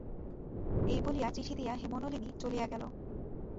এই বলিয়া চিঠি দিয়া হেমনলিনী চলিয়া গেল।